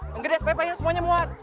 yang gede sepepe semuanya muat